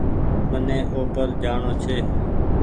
مني او پر جآڻو ڇي